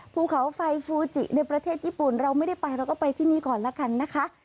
ภูเขาไฟฟูจิในประเทศญี่ปุ่นเราไม่ได้ไปเราก็ไปที่นี่ก่อนละกันนะคะ